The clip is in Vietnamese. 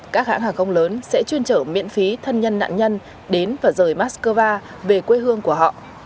các hãng hàng không lớn sẽ chuyên trở miễn phí thân nhân nạn nhân đến và rời moscow về quê hương của họ